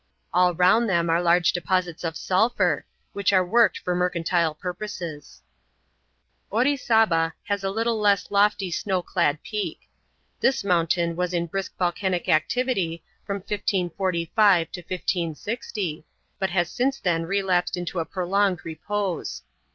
All round them are large deposits of sulphur, which are worked for mercantile purposes. Orizaba has a little less lofty snow clad peak. This mountain was in brisk volcanic activity from 1545 to 1560, but has since then relapsed into a prolonged repose.